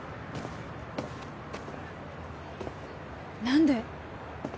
何で？